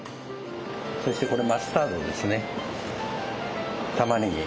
そしてこれマスタードですね。